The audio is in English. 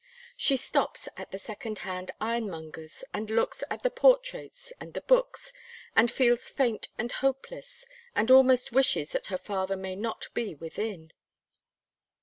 She stops at the second hand ironmonger's and looks at the portraits and the books, and feels faint and hopeless, and almost wishes that her father may not be within.